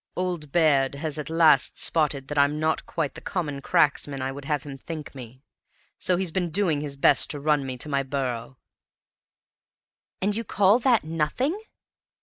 Old Baird has at last spotted that I'm not quite the common cracksman I would have him think me. So he's been doing his best to run me to my burrow." "And you call that nothing!"